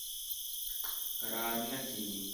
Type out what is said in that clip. کرار نه کیني.